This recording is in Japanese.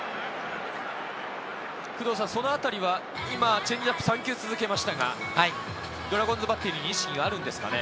そのあたりはチェンジアップ３球続けましたが、ドラゴンズバッテリーに意識があるんですかね？